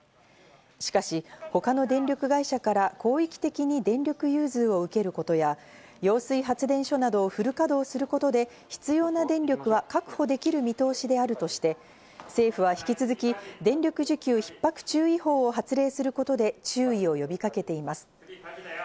しかし他の電力会社から広域的に電力融通を受けることや揚水発電所をフル稼働することで必要な電力を確保できる見通しであるとして、政府は引き続き、電力需給ひっ迫注意報を発令することで、注意を呼びかけています。